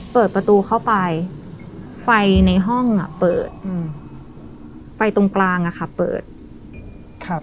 เปิดประตูเข้าไปไฟในห้องอ่ะเปิดอืมไฟตรงกลางอ่ะค่ะเปิดครับ